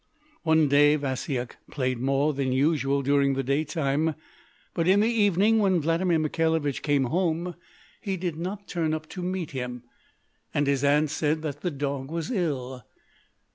One day, Vasyuk played more than usual during the daytime, but in the evening, when Vladimir Mikhailovich came home, he did not turn up to meet him, and his Aunt said that the dog was ill.